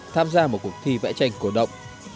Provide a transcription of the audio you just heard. tham gia một cuộc thi vẽ tranh cổ động